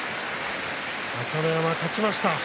朝乃山、勝ちました。